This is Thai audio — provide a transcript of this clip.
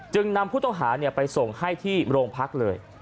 นำผู้ต้องหาไปส่งให้ที่โรงพักเลย